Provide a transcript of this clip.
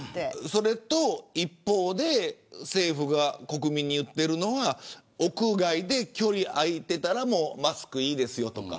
それと一方で政府が国民に言っているのは屋外で距離空いていたらもうマスクいいですよ、とか。